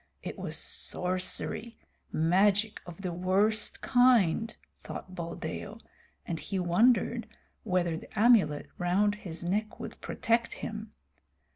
It was sorcery, magic of the worst kind, thought Buldeo, and he wondered whether the amulet round his neck would protect him.